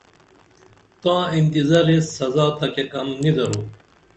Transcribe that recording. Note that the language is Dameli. تاں انتظار ایس سزا تہ کیہ کم نی درو